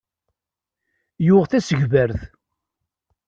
Yuɣ tasegbart.